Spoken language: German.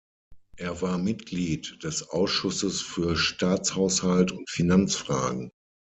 Er war Mitglied des Ausschusses für Staatshaushalt und Finanzfragen.